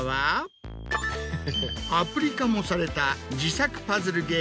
アプリ化もされた自作パズル